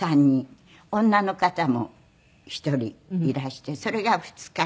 女の方も１人いらしてそれが２日間。